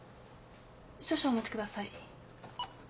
少々お待ちください。